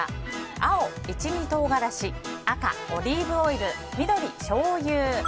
青、一味唐辛子赤、オリーブオイル緑、しょうゆ。